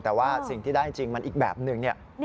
แต่ว่าสิ่งที่ได้จริงมันอีกแบบนึงเนี่ย